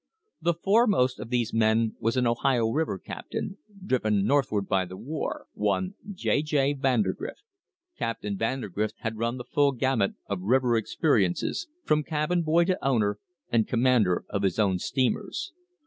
The foremost of these men THE HISTORY OF THE STANDARD OIL COMPANY was an Ohio River captain, driven northward by the war, one J. J. Vandergrift. Captain Vandergrift had run the full gamut of river experiences from cabin boy to owner and commander of his own steamers.